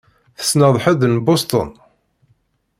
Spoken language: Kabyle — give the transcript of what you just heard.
Tessneḍ ḥedd n Boston?